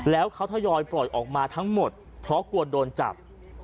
แล้วเขาทยอยปล่อยออกมาทั้งหมดเพราะกลัวโดนจับ